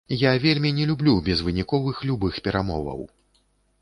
Я вельмі не люблю безвыніковых любых перамоваў.